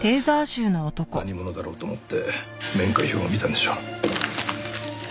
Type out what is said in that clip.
何者だろうと思って面会表を見たんでしょう。